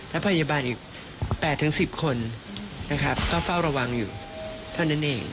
และพยาบาลอีก๘๑๐คนนะครับก็เฝ้าระวังอยู่เท่านั้นเอง